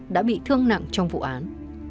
đã bị thương nặng trong vụ án